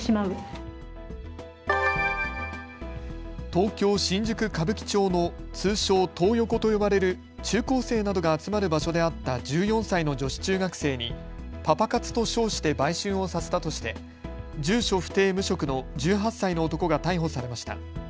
東京新宿歌舞伎町の通称、トー横と呼ばれる中高生などが集まる場所で会った１４歳の女子中学生にパパ活と称して売春をさせたとして住所不定、無職の１８歳の男が逮捕されました。